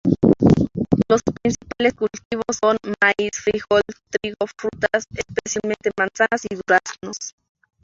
Los principales cultivos son: maíz, frijol, trigo, frutas, especialmente manzanas y duraznos.